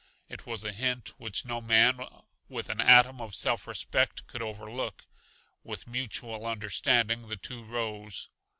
It was a hint which no man with an atom of self respect could overlook. With mutual understanding the two rose.